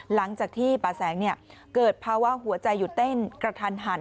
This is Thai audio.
หลังจากที่ป่าแสงเกิดภาวะหัวใจหยุดเต้นกระทันหัน